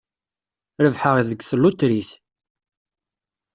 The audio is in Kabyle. Rebḥeɣ deg tlutrit.